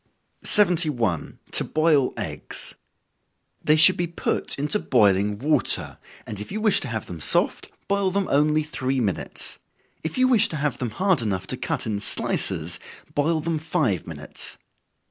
71. To Boil Eggs. They should be put into boiling water, and if you wish to have them soft, boil them only three minutes. If you wish to have them hard enough to cut in slices, boil them five minutes.